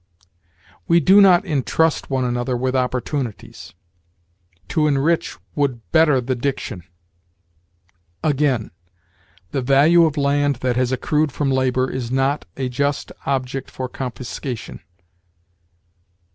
We do not intrust one another with opportunities. To enrich would better the diction. Again: "The value of land that has accrued from labor is not ... a just object for confiscation."